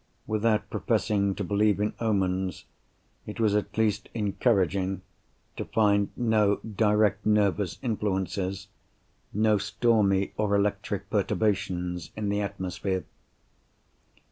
Without professing to believe in omens, it was at least encouraging to find no direct nervous influences—no stormy or electric perturbations—in the atmosphere.